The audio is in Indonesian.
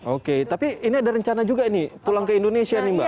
oke tapi ini ada rencana juga nih pulang ke indonesia nih mbak